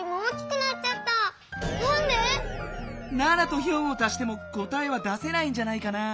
７と４を足しても答えは出せないんじゃないかな。